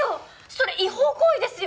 それ違法行為ですよ！